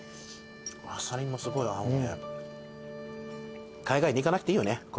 あさりもすごい合うね。